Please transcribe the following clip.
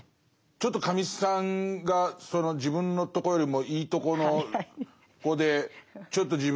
ちょっとカミさんが自分のとこよりもいいとこの子でちょっと自分は頭上がらないと。